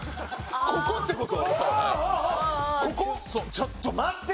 ちょっと待ってくれよ！